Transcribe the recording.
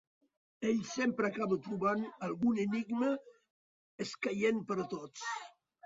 Ell sempre acabava trobant algun enigma escaient per a tots.